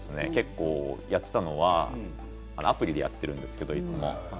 やっていたのはアプリでやっているんですけどいつも。